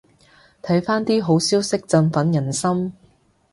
睇返啲好消息振奮人心